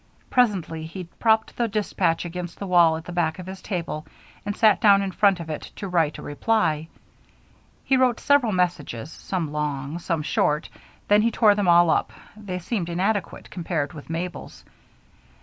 Presently he propped the dispatch against the wall at the back of his table and sat down in front of it to write a reply. He wrote several messages, some long, some short; then he tore them all up they seemed inadequate compared with Mabel's.